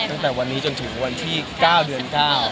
ตั้งแต่วันนี้จนถึงวันที่๙เดือน๙